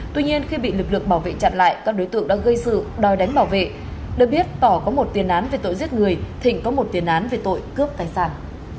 tuy nhiên khi bị lực lượng bảo vệ chặn lại các đối tượng đã gây sự đòi đánh bảo vệ được biết tỏ có một tiền án về tội giết người thịnh có một tiền án về tội cướp tài sản